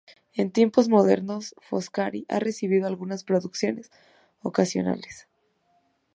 En tiempos modernos, "Foscari" ha recibido algunas producciones ocasionales.